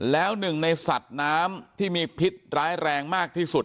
แล้วหนึ่งในสัตว์น้ำที่มีพิษร้ายแรงมากที่สุด